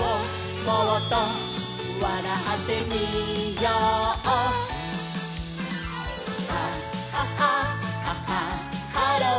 「もっとわらってみよう」「あはははははろー」